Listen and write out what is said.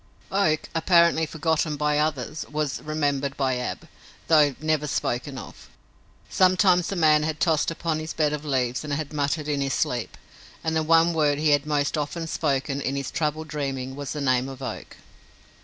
Oak, apparently forgotten by others, was remembered by Ab, though never spoken of. Sometimes the man had tossed upon his bed of leaves and had muttered in his sleep, and the one word he had most often spoken in this troubled dreaming was the name of Oak.